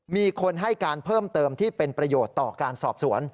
มีคนให้การเพิ่มเติมที่เป็นประโยชน์ต่อการสอบสวน